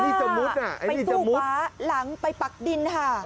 อันนี้จะมุดอันนี้จะมุดไปสู้ฟ้าหลังไปปักดินค่ะ